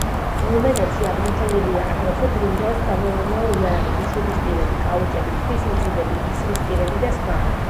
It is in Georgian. დოლმენებში აღმოჩენილია აგრეთვე ბრინჯაოს სამეურნეო იარაღები, შუბისპირები, კაუჭები, ქვის მძივები, ისრისპირები, და სხვა.